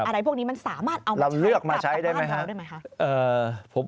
อะไรพวกนี้มันสามารถเอามาใช้กับประหารเขาด้วยไหมครับ